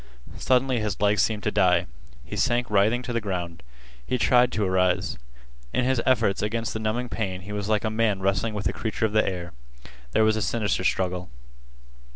Suddenly his legs seemed to die. He sank writhing to the ground. He tried to arise. In his efforts against the numbing pain he was like a man wrestling with a creature of the air. There was a sinister struggle.